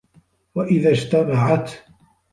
وَإِذَا اجْتَمَعَتْ